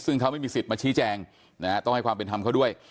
ซึ่งเขาไม่มีสิทธิ์มาชี้แจงนะฮะต้องให้ความเป็นธรรมเขาด้วย